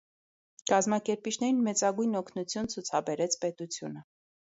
Կազմակերպիչներին մեծագույն օգնություն ցուցաբերեց պետությունը։